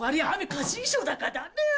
貸衣装だからダメよ